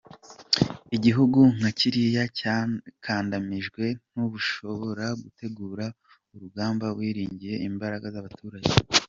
Igihugu nka kiriya cyakandamijwe, ntushobora gutegura urugamba wiringiye imbaraga z’abaturage.